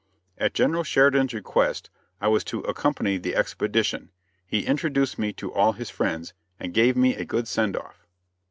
At General Sheridan's request I was to accompany the expedition; he introduced me to all his friends, and gave me a good send off.